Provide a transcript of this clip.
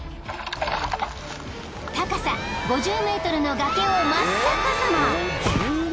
［高さ５０ｍの崖を真っ逆さま］